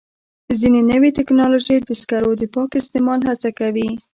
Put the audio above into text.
ځینې نوې ټکنالوژۍ د سکرو د پاک استعمال هڅه کوي.